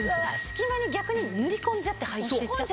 隙間に逆に塗り込んじゃって入ってっちゃって。